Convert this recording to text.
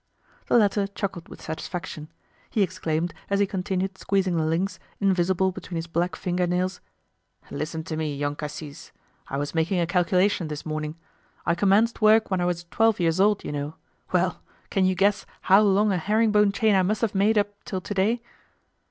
The latter chuckled with satisfaction. He exclaimed, as he continued squeezing the links, invisible between his black finger nails. "Listen to me, Young Cassis! I was making a calculation this morning. I commenced work when I was twelve years old, you know. Well! Can you guess how long a herring bone chain I must have made up till to day?"